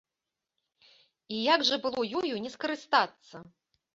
І як жа было ёю не скарыстацца!